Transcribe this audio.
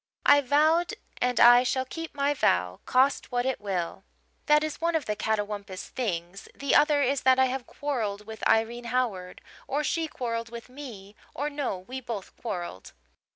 I vowed and I shall keep my vow, cost what it will. "That is one of the 'catawampus' things. The other is that I have quarrelled with Irene Howard or she quarrelled with me or, no, we both quarrelled.